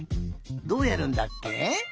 どうやるんだっけ？